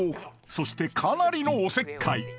そしてかなりのおせっかい